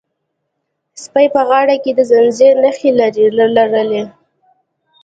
سپي په غاړه کې د زنځیر نښې لرلې.